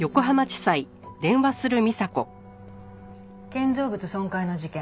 建造物損壊の事件